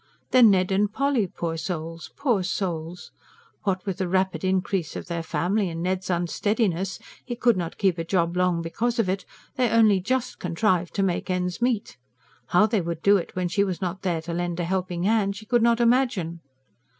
Then Ned and Polly poor souls, poor souls! What with the rapid increase of their family and Ned's unsteadiness he could not keep any job long because of it they only just contrived to make ends meet. How they would do it when she was not there to lend a helping hand, she could not imagine.